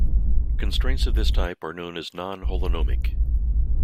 Constraints of this type are known as non-holonomic.